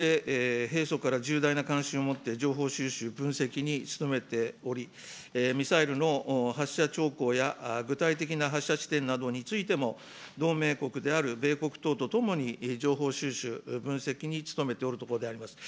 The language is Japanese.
北朝鮮の軍事動向については、防衛省として、平素から重大な関心を持って情報収集、分析に努めており、ミサイルの発射兆候や具体的な発射地点などについても、同盟国である米国等と共に情報収集、分析に努めておるところであります。